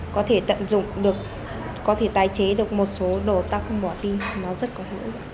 có thể tận dụng được có thể tái chế được một số đồ ta không bỏ tin nó rất có hữu